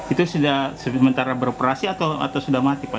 itu sudah sementara beroperasi atau sudah mati pak